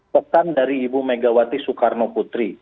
pekan dari ibu megawati soekarno putri